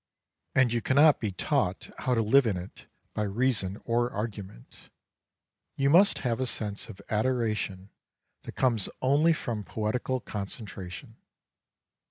And you cannot be taught how to live in it by reason or argument ; you must have a sense of adoration that comes only from poetical concentra tion.